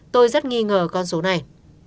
tôi rất nghi ngờ con số này